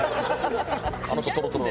あの人トロトロ。